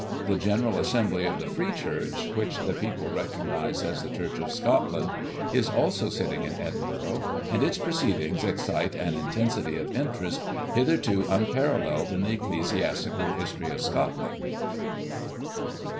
The General Assembly of the Free Church, which the people recognise as the Church of Scotland, is also sitting in Edinburgh, and its proceedings excite an intensity of interest hitherto unparalleled in the ecclesiastical history of Scotland."